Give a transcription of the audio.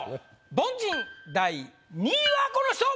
凡人第２位はこの人！